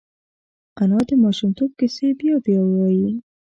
انا د ماشومتوب کیسې بیا بیا وايي